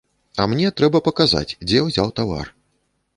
А мне трэба паказаць, дзе ўзяў тавар.